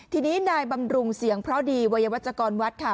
ทีนี้นายบำรุงเสียงเพราะดีวัยวัชกรวัดค่ะ